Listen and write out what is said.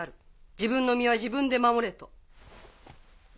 自分の身は自分で守れと。